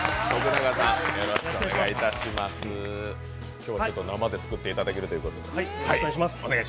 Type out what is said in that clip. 今日は生で作っていただけるということで。